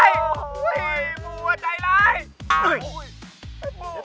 อิแม็ค